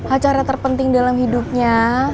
acara terpenting dalam hidupnya